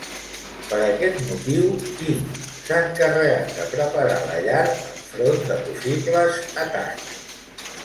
Per aquest motiu, qui s'ha encarregat de preparar la llar enfront de possibles atacs?